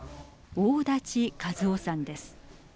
大舘和夫さんです。